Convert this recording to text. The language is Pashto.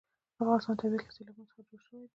د افغانستان طبیعت له سیلابونه څخه جوړ شوی دی.